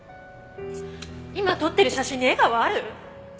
今撮ってる写真に笑顔はある？